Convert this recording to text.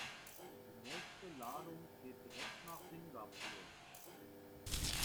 Die nächste Ladung geht direkt nach Singapur.